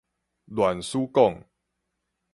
亂使講